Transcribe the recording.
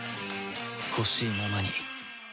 ほしいままに